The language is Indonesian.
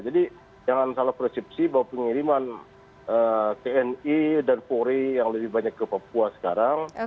jangan salah persepsi bahwa pengiriman tni dan polri yang lebih banyak ke papua sekarang